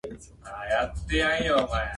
締切間近皆が集って大混乱